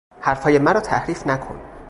حرفهای مرا تحریف نکن!